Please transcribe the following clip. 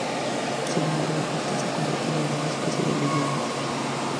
Sin embargo, este se ha convertido en una especie de leyenda.